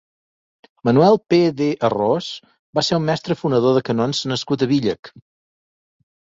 Manuel Pe-de-Arròs va ser un mestre fonedor de canons nascut a Víllec.